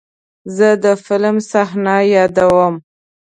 زه د فلم صحنه یادوم.